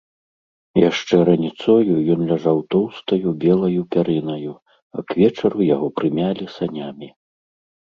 Яшчэ раніцою ён ляжаў тоўстаю, белаю пярынаю, а к вечару яго прымялі санямі.